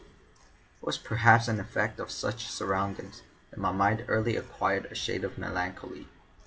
It was perhaps an effect of such surroundings that my mind early acquired a shade of melancholy.